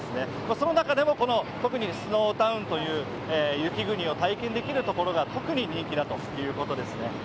その中でもこの特にスノータウンという雪国を体験できるところが特に人気だということですね。